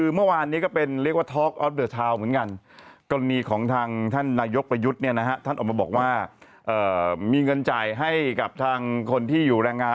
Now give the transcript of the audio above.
ไม่ใช่เต้นชุดเต้นนั่นห่างเครื่อง